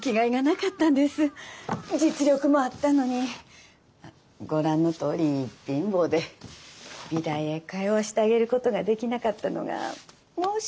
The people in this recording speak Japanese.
実力もあったのにご覧のとおり貧乏で美大へ通わしてあげることができなかったのが申し訳なくて。